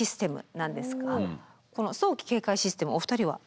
なんですがこの早期警戒システムお二人は？